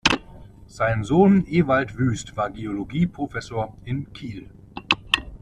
Sein Sohn Ewald Wüst war Geologieprofessor in Kiel.